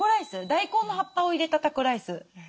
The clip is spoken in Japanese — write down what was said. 大根の葉っぱを入れたタコライス。